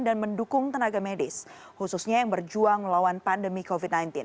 dan mendukung tenaga medis khususnya yang berjuang melawan pandemi covid sembilan belas